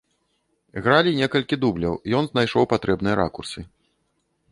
Гралі некалькі дубляў, ён знайшоў патрэбныя ракурсы.